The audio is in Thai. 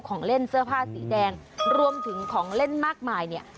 ของเล่นเสื้อผ้าสีแดงรวมถึงของเล่นมากมายเนี่ย